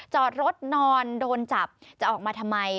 จอดรถนอนโดนจับจะออกมาทำไม